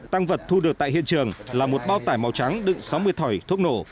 tăng vật thu được tại hiện trường là một bao tải màu trắng đựng sáu mươi thỏi thuốc nổ